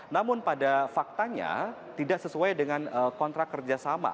namun pada faktanya tidak sesuai dengan kontrak kerjasama